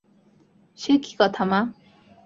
সে কী কথা মা।